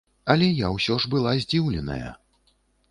Але я ўсё ж была здзіўленая.